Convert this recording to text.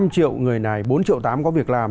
năm triệu người này bốn triệu tám có việc làm